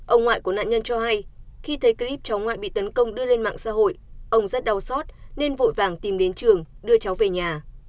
ông ngoại của nạn nhân cho hay khi thấy clip cháu ngoại bị tấn công đưa lên mạng xã hội ông rất đau xót nên vội vàng tìm đến trường đưa cháu về nhà